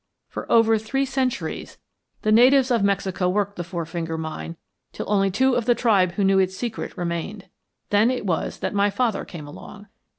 For over three centuries the natives of Mexico worked the Four Finger Mine till only two of the tribe who knew its secret remained. Then it was that my father came along.